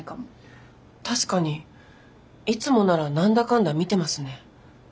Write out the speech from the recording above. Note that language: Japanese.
確かにいつもなら何だかんだ見てますね。